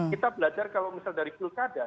kita belajar kalau misal dari pilkada